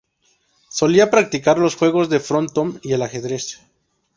Solía practicar los juegos de frontón y el ajedrez.